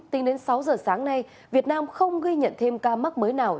tính đến sáu giờ sáng nay việt nam không ghi nhận thêm ca mắc mới nào